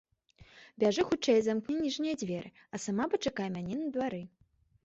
Бяжы хутчэй і замкні ніжнія дзверы, а сама пачакай мяне на двары.